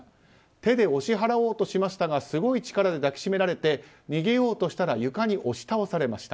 手で追い払おうとしましたがすごい力で抱きしめられて逃げようとしたら床に押し倒されました。